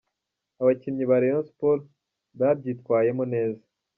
Abakinnyi ba Rayon Sports babyitwayemo neza.